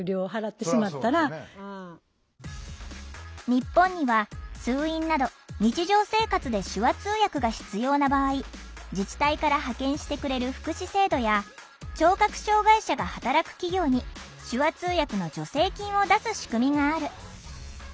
日本には通院など日常生活で手話通訳が必要な場合自治体から派遣してくれる福祉制度や聴覚障害者が働く企業に手話通訳の助成金を出す仕組みがある。